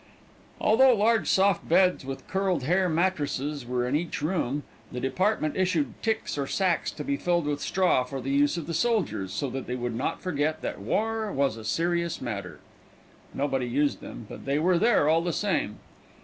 Although large soft beds with curled hair mattresses were in each room, the department issued ticks or sacks to be filled with straw for the use of the soldiers, so that they would not forget that war was a serious matter. Nobody used them, but they were there all the same.